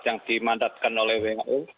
yang dimandatkan oleh who